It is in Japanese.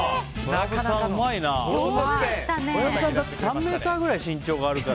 小籔さん、だって３ｍくらい身長があるから。